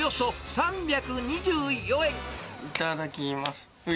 いただきます。